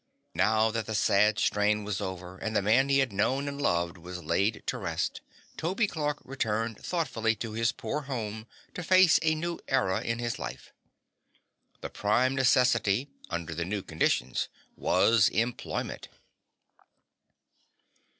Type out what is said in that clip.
Now that the sad strain was over and the man he had known and loved was laid to rest, Toby Clark returned thoughtfully to his poor home to face a new era in his life. The prime necessity, under the new conditions, was employment.